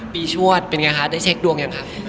ปีชวดเป็นไงค่ะได้เช็คดวงอย่างไร